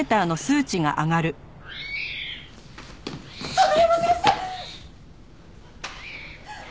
園山先生！